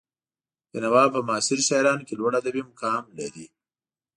بېنوا په معاصرو شاعرانو کې لوړ ادبي مقام لري.